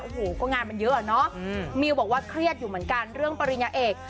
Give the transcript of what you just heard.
โอ้โหก็งานมันเยอะอะเนาะมิวบอกว่าเครียดอยู่เหมือนกันเรื่องปริญญาเอก